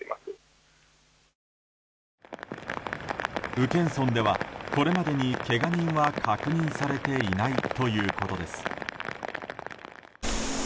宇検村では、これまでにけが人は確認されていないということです。